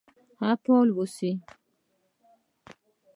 فعال و اوسئ